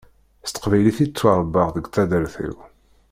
S teqbaylit i d-ttwaṛebbaɣ deg taddart-iw.